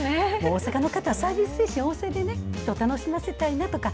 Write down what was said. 大阪の方は、サービス精神旺盛でね、人を楽しませたいなとか。